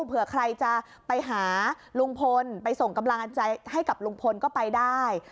เผื่อใครจะไปหาลุงพลไปส่งกำลังใจให้กับลุงพลก็ไปได้